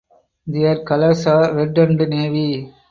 Their colours are red and navy.